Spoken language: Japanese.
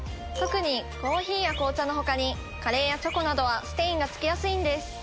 特にコーヒーや紅茶のほかにカレーやチョコなどはステインがつきやすいんです。